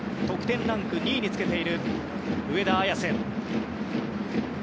得点ランク２位につけている上田綺世。